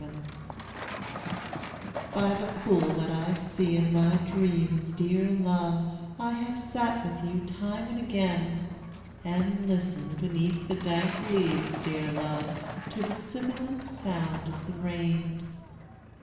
THE POOL By the pool that I see in my dreams, dear love, I have sat with you time and again; And listened beneath the dank leaves, dear love, To the sibilant sound of the rain.